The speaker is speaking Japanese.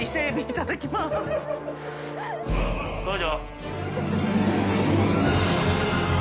どうぞ。